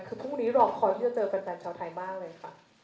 คือพรุ่งนี้รอคอยที่จะเจอแฟนชาวไทยมากเลยค่ะ